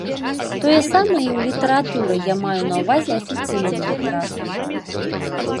Тое самае і ў літаратуры, я маю на ўвазе афіцыйную літаратуру.